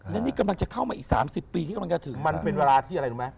และนี่กำลังจะเข้ามาอีก๓๐ปีที่กำลังจะถึงมันเป็นเวลาที่อะไรรู้ไหม